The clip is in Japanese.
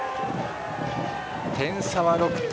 点差は６点。